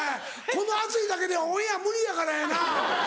この「熱い」だけでオンエア無理やからやな。